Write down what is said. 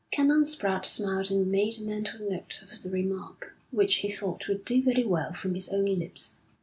Canon Spratte smiled and made a mental note of the remark, which he thought would do very well from his own lips.